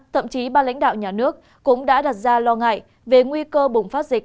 thậm chí ba lãnh đạo nhà nước cũng đã đặt ra lo ngại về nguy cơ bùng phát dịch